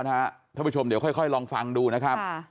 ท่านผู้ชมเดี๋ยวค่อยลองฟังดูนะครับ